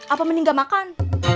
apa mending gak makan